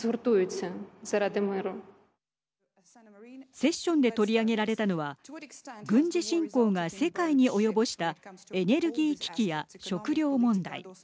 セッションで取り上げられたのは軍事侵攻が世界に及ぼしたエネルギー危機や食料問題。